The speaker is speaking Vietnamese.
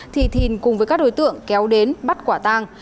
thìn cùng với các đối tượng kéo đến bắt quả tang